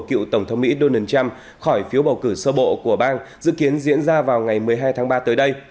cựu tổng thống mỹ donald trump khỏi phiếu bầu cử sơ bộ của bang dự kiến diễn ra vào ngày một mươi hai tháng ba tới đây